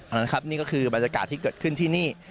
นั่นครับนี่ก็คือบรรยากาศที่เกิดขึ้นที่นี่